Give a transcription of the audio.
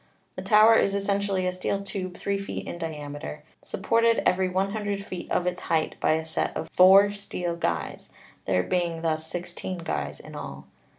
The tower is essentially a steel tube 3 feet in diameter, supported 1 every 100 feet of its height by a set of four steel guys, there being thus sixteen guys in all.